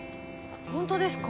ホントですか？